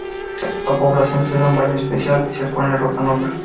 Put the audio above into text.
La población se da un baño especial y se pone ropa nueva.